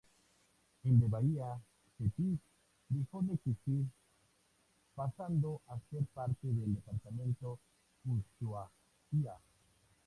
El de Bahía Thetis dejó de existir, pasando a ser parte del departamento Ushuaia.